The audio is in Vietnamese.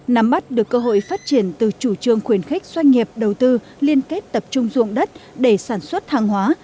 nắm bắt được cơ hội phát triển từ chủ trương khuyến khích doanh nghiệp đầu tư liên kết tập trung dụng đất để sản xuất hàng hóa